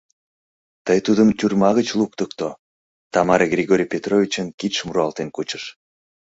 Тый тудым тюрьма гыч луктыкто, — Тамара Григорий Петровичын кидшым руалтен кучыш.